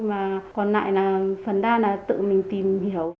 và còn lại là phần đa là tự mình tìm hiểu